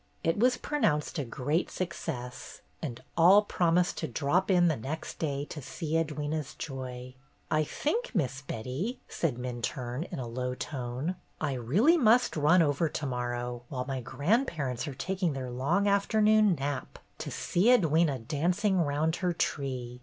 It was pronounced a great success, and all promised to drop in the next day to see Edwyna's joy. "I think. Miss Betty," said Minturne, in a low tone, "I really must run over to morrow, while my grandparents are taking their long afternoon nap, to see Edwyna dancing round her tree.